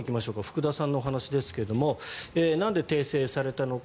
福田さんのお話ですがなんで訂正されたのか。